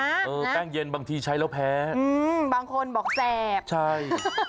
เออแป้งเย็นบางทีใช้แล้วแพ้อืมบางคนบอกแสบใช่